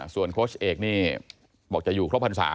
ส่วนโค้ชเอกนี่บอกจะอยู่ครบพรรษา